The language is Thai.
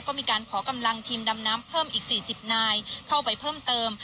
ก็มีการขอกำลังทีมดำน้ำเพิ่มอีก๔๐นายเข้าไปเพิ่มเติม